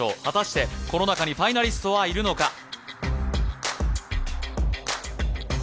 果たしてこの中にファイナリストはいるのか？